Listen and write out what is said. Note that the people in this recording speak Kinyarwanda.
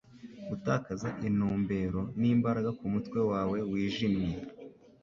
gutakaza intumbero n'imbaraga kumutwe wawe wijimye